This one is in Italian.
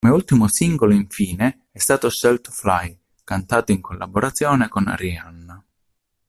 Come ultimo singolo, infine, è stato scelto "Fly", cantato in collaborazione con Rihanna.